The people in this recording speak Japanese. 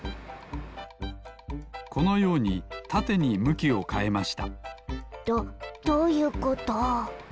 このようにたてにむきをかえましたどどういうこと？